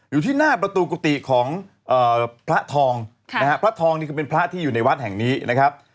อยู่ที่หน้าประตูกุฏิของพระทองนะฮะพระทองนี่คือเป็นพระที่อยู่ในวัดแห่งนี้นะครับ